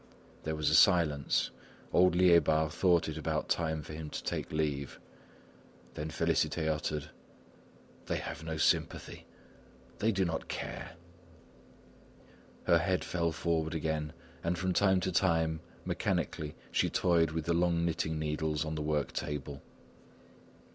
There was a silence. Old Liébard thought it about time for him to take leave. Then Félicité uttered: "They have no sympathy, they do not care!" Her head fell forward again, and from time to time, mechanically, she toyed with the long knitting needles on the work table.